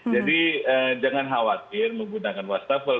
jadi jangan khawatir menggunakan wastafel